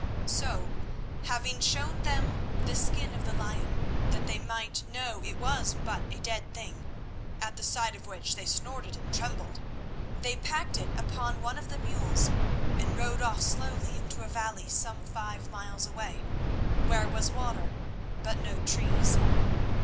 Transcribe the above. So having shown them the skin of the lion, that they might know it was but a dead thing, at the sight of which they snorted and trembled, they packed it upon one of the mules and rode off slowly into a valley some five miles away, where was water but no trees.